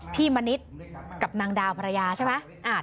มณิษฐ์กับนางดาวภรรยาใช่ไหม